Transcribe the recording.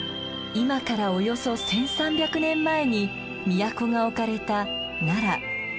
今からおよそ１，３００年前に都が置かれた奈良。